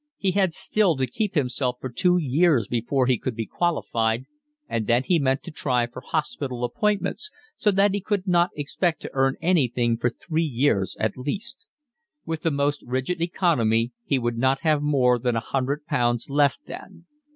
He had still to keep himself for two years before he could be qualified, and then he meant to try for hospital appointments, so that he could not expect to earn anything for three years at least. With the most rigid economy he would not have more than a hundred pounds left then.